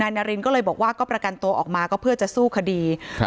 นายนารินก็เลยบอกว่าก็ประกันตัวออกมาก็เพื่อจะสู้คดีครับ